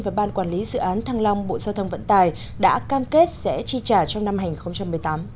và ban quản lý dự án thăng long bộ giao thông vận tài đã cam kết sẽ chi trả trong năm hai nghìn một mươi tám